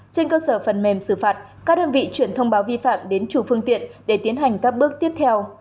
trên cơ sở phần mềm xử phạt các đơn vị chuyển thông báo vi phạm đến chủ phương tiện để tiến hành các bước tiếp theo